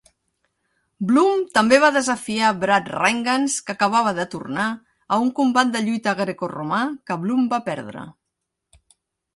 Bloom també va desafiar Brad Rheingans, que acabava de tornar, a un combat de lluita grecoromà, que Bloom va perdre.